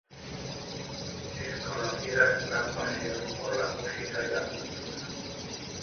Es conocida su gran pasión por la música y la cultura.